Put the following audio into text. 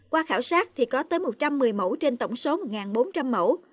qua khảo sát thì có tới một trăm một mươi mẫu trên tổng số một bốn trăm linh mẫu